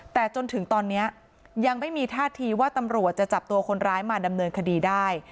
แต่จนถึงตอนนี้ยังไม่มีท่าทีว่าตำรวจจะจับตัวคนร้ายมาดำเนินคดีได้